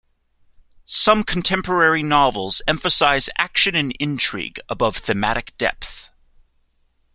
Some contemporary novels emphasize action and intrigue above thematic depth.